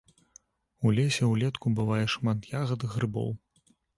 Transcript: У лесе ўлетку бывае шмат ягад, грыбоў.